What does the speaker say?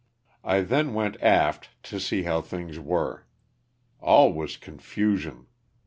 I then went aft to see how things were. All was confusion.